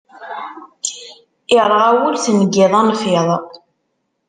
Irɣa wul, tengiḍ a nnfiḍ.